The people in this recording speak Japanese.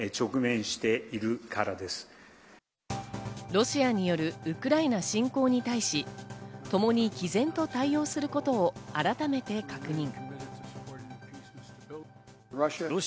ロシアによるウクライナ侵攻に対し、ともに毅然と対応することを改めて確認。